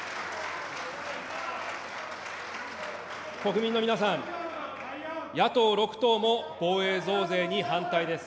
国民の皆さん、野党６党も防衛増税に反対です。